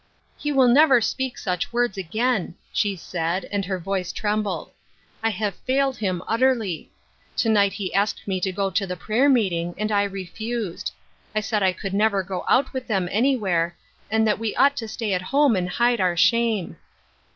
" He will never speak such words again," she said, and her voice trembled. " I have failed him utterly. To night he asked me to go to the prayer meeting, and I refused. I said I could never go out with them anywhere, and that we ought to stay at home and hide our shame."